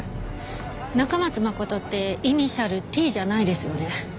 中松誠ってイニシャル「Ｔ」じゃないですよね。